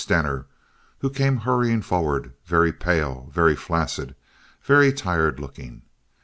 Stener, who came hurrying forward very pale, very flaccid, very tired looking.